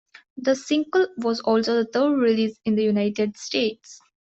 The single was also the third release in the United States.